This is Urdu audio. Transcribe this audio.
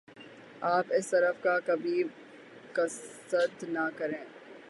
آپ اس طرف کا کبھی قصد نہ کریں ۔